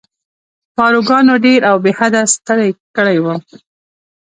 پاروګانو ډېر او بې حده ستړی کړی وم.